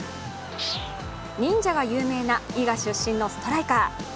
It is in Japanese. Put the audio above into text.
忍者が有名な伊賀出身のストライカー。